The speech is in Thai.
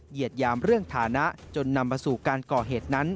ดยามเรื่องฐานะจนนำมาสู่การก่อเหตุนั้น